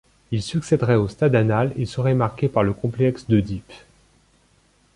Il succéderait au stade anal et serait marqué par le complexe d'Œdipe.